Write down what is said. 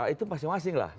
itu masing masing lah